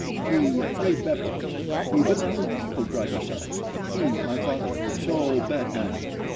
He afraid Beppo. Even our people drive us out he, my father, so bad man.